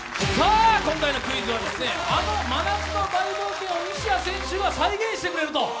今回のクイズは、あの真夏の大冒険を西矢選手が再現してくれると。